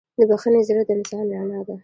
د بښنې زړه د انسان رڼا ده.